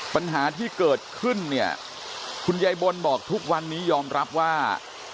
ปัญหาที่เกิดขึ้นเนี่ยคุณยายบนบอกทุกวันนี้ยอมรับว่า